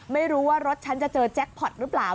ไม่รู้ว่ารถฉันจะเจอแจ็คพอร์ตหรือเปล่า